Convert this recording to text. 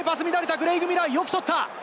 クレイグ・ミラーよく取った。